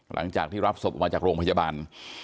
หลังจากที่รับศพออกมาจากโรงพยาบาล